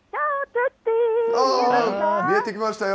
見えてきましたよ。